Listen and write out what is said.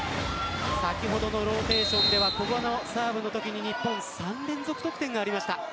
先ほどのローテーションでは古賀のサーブのときに日本３連続得点がありました。